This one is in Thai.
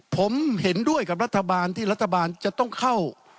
ผมเห็นด้วยกับรัฐบาลที่รัฐบาลจะต้องเข้า